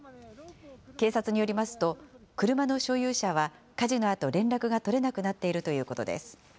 警察によりますと、車の所有者は、火事のあと連絡が取れなくなっているということです。